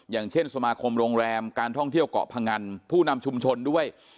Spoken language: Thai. อย่างเช่นสมาคมโรงแรมการท่องเที่ยวเกาะพงันผู้นำชุมชนด้วย